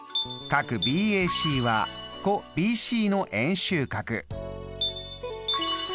∠ＢＡＣは弧ＢＣの円周角∠